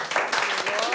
すごーい！